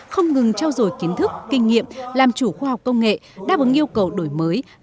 không ngừng trao dồi kiến thức kinh nghiệm làm chủ khoa học công nghệ đáp ứng yêu cầu đổi mới